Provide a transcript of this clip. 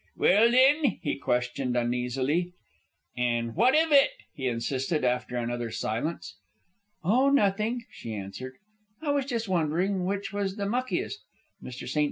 "Well, thin?" he questioned, uneasily. "An' what iv it?" he insisted after another silence. "Oh, nothing," she answered. "I was just wondering which was the muckiest, Mr. St.